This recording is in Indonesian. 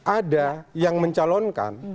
ada yang mencalonkan